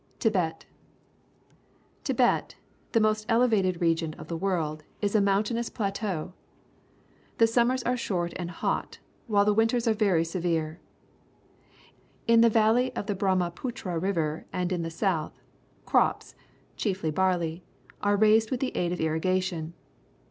TIBET Tibet, the most elevated region in the world, is a mountainous plateau. The sum mers are short and hot, while the winters are very severe. In the valley of the Brahma putra River and in the south, crops, chiefly barley, are raised with the aid of irrigation.